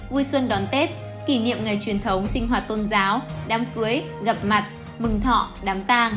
vui xuân đón tết kỷ niệm ngày truyền thống sinh hoạt tôn giáo đám cưới gặp mặt mừng thọ đám ta